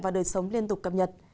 và đời sống liên tục cập nhật